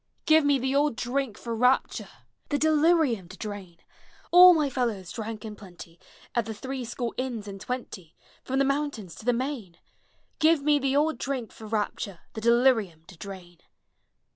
Give me the old drink for rapture, The delirium to drain, All my fellows drank in plenty At the Three Score Inns and Twenty From the mountains to the main! Give me the old drink for rapture, The delirium to drain!